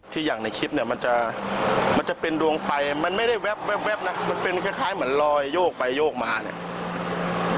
อย่างในคลิปเนี่ยมันจะมันจะเป็นดวงไฟมันไม่ได้แว๊บนะมันเป็นคล้ายเหมือนลอยโยกไปโยกมาเนี่ย